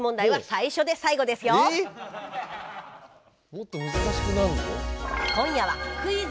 もっと難しくなるの？